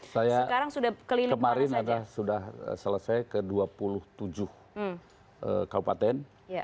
saya kemarin sudah selesai ke dua puluh tujuh kabupaten